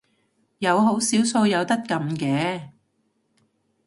有好少數有得撳嘅